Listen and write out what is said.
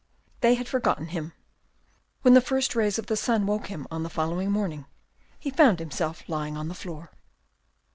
They had forgotten him. When the first rays of the sun woke him up the following morning, he found himself lying on the floor.